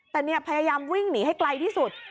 แต่เนี่ยพยายามวิ่งหนีให้ไกลที่สุด